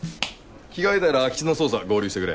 着替えたら空き巣の捜査合流してくれ。